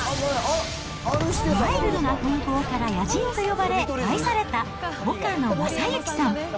ワイルドな風ぼうから野人と呼ばれ、愛された岡野雅行さん。